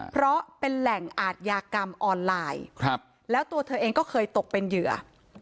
เพราะเป็นแหล่งอาทยากรรมออนไลน์แล้วตัวเธอเองก็เคยตกเป็นเหยื่อ